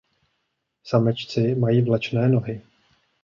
Samečci mají vlečné nohy.